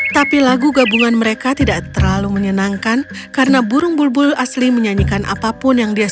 tapi lagu gabungan mereka tidak terlalu menyenangkan karena burung bulbul asli menyanyikan apapun yang dia suka